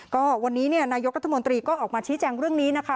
ก็วันนี้นายกรัฐมนตรีก็ออกมาชี้แจงเรื่องนี้นะคะ